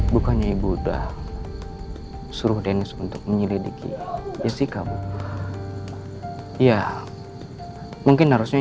bukannya ibu udah suruh deniz untuk menyelidiki jessica bu ya mungkin harusnya